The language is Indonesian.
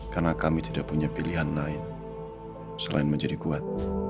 karena kami tidak punya pilihan lain selain menjadi kuat